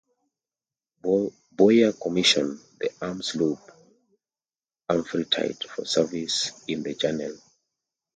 Bowyer commissioned the armed sloop "Amphitrite" for service in the Channel.